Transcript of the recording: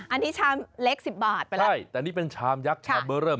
อันนี้ชามเล็กสิบบาทไปแล้วใช่แต่นี่เป็นชามยักษ์ชามเบอร์เริ่ม